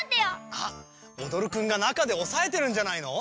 あっおどるくんがなかでおさえてるんじゃないの？